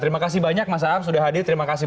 terima kasih banyak mas aham sudah hadir terima kasih